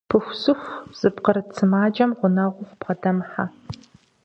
Пыхусыху зыпкъырыт сымаджэм гъунэгъуу фыбгъэдэмыхьэ.